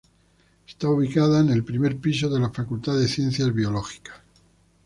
Está ubicada en el primer piso de la Facultad de Ciencias Biológicas.